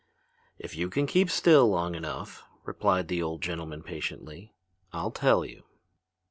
"If you can keep still long enough," replied the old gentleman patiently, "I'll tell you."